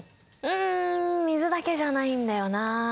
うん水だけじゃないんだよな。